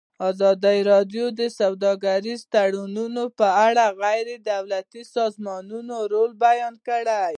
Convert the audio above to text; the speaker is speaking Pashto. ازادي راډیو د سوداګریز تړونونه په اړه د غیر دولتي سازمانونو رول بیان کړی.